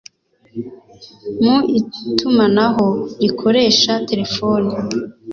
mu itumanaho rikoresha terefoni